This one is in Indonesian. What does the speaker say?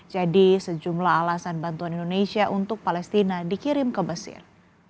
jadi sejumlah alasan bantuan indonesia untuk palestina dikirim ke mesir